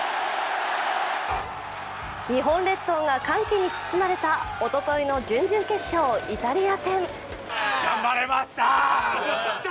日本列島が歓喜に包まれたおとといの準々決勝、イタリア戦。